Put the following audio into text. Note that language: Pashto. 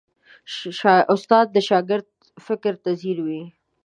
استاد د شاګرد فکر ته ځیر وي.